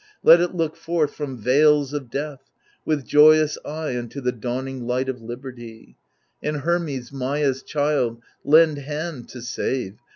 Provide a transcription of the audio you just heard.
Let it look forth, from veils of death, with joyous eye Unto the dawning light of liberty ; And Hermes, Maia's child, lend hand to save.